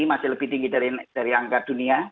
masih lebih tinggi dari angka dunia